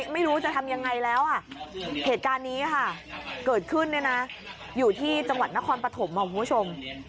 ไม่รู้จะทำยังไงแล้วเหตุการณ์นี้เกิดขึ้นอยู่ที่จังหวัดนครปฐม